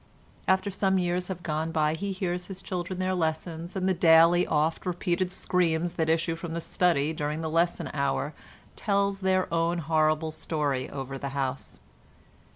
After some years have gone by he hears his children their lessons, and the daily oft repeated screams that issue from the study during the lesson hours tell their own horrible story over the house.